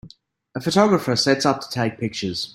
A photographer sets up to take pictures.